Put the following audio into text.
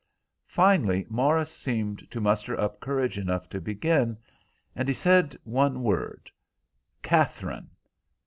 Finally Morris seemed to muster up courage enough to begin, and he said one word— "Katherine."